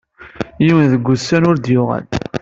Yiwen deg-sen ur d-yuɣal.